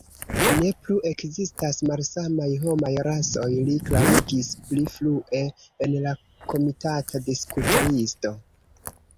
Ne plu ekzistas malsamaj homaj rasoj, li klarigis pli frue en la komitata diskutlisto.